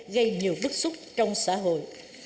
gây nhiều bức xúc trong xã hội